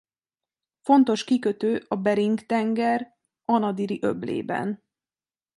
Fontos kikötő a Bering-tenger Anadiri-öblében.